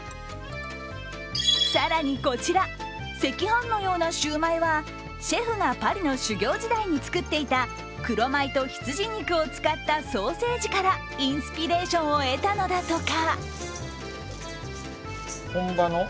更にこちら、赤飯のようなシュウマイはシェフがパリの修業時代に作っていた黒米と羊肉を使ったソーセージからインスピレーションを得たのだとか。